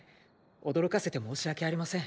驚かせて申し訳ありません。